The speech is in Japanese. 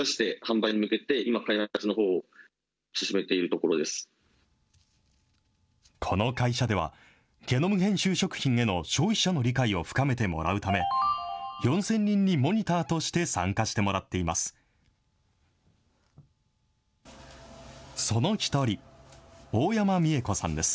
この会社では、ゲノム編集食品への消費者の理解を深めてもらうため、４０００人にモニターとして参加してもらっています。